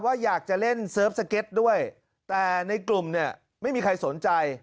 ว่าอยากจะเล่นเซิร์ฟสเก็ตด้วยแต่ในกลุ่มเนี่ยไม่มีใครสนใจ